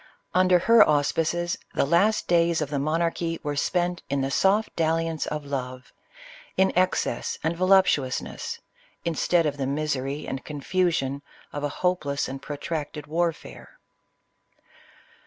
Under her auspices, the last days of the monarchy were spent in the soft dalliance of love, in excess and voluptuousness, instead of the misery and confusion of a hopeless and protracted warfare.